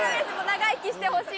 長生きしてほしいです。